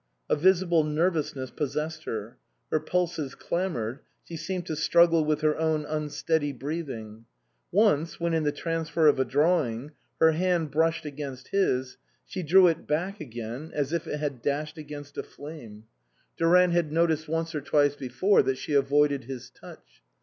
A visible nervousness possessed her ; her pulses clamoured, she seemed to struggle with her own unsteady breathing. Once, when in the transfer of a drawing her hand brushed against his, she drew it back again as if it had dashed against a flame. Durant had 76 INLAND noticed once or twice before that she avoided his touch.